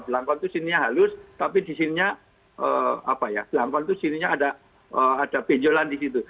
belangkon itu sininya halus tapi di sininya ada benjolan di situ